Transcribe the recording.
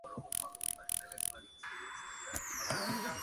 Irina finalmente muere en Hong Kong en el final de serie.